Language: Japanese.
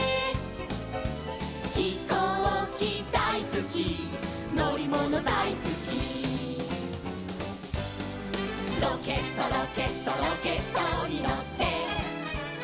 「ひこうきだいすきのりものだいすき」「ロケットロケットロケットにのって」